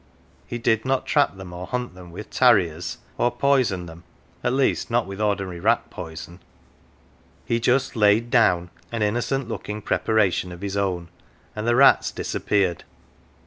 He did not trap them, or hunt them with " tamers," or poison them, at least not with ordinary rat poison. He j ust " laid down " an innocent looking preparation of his own, and the rats disappeared.